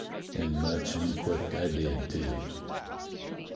And much and quick I did, too."